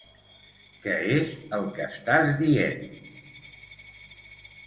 Què és el que estàs dient?